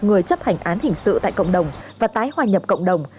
người chấp hành án hình sự tại cộng đồng và tái hòa nhập cộng đồng